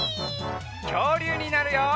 きょうりゅうになるよ！